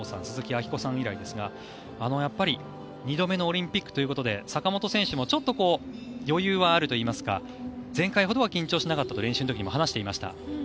鈴木明子さん以来ですがやっぱり２度目のオリンピックということで坂本選手はちょっと余裕はあるといいますか前回ほどは緊張しなかったと練習の時にも話していました。